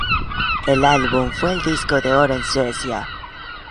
El álbum fue disco de oro en Suecia.